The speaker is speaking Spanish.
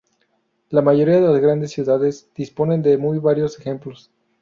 La mayoría de las grandes ciudades disponen de muy variados ejemplos.